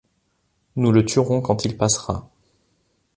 Nous le tuerons quand il passera.